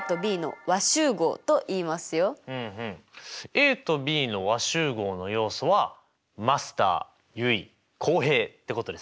ＡとＢの和集合の要素はマスター結衣浩平ってことですね。